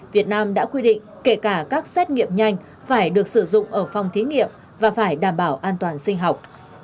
việt nam đã quy định kể cả các xét nghiệm nhanh phải được sử dụng ở phòng thí nghiệm và phải đảm bảo an toàn sinh học